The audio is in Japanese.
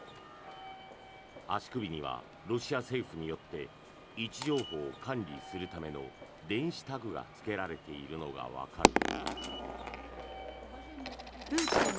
足首にはロシア政府によって位置情報を管理するための電子タグがつけられているのがわかる。